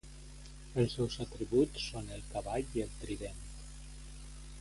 Els seus atributs són el cavall i el trident.